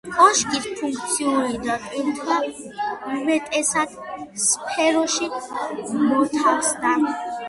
კოშკის ფუნქციური დატვირთვა უმეტესად სფეროში მოთავსდა.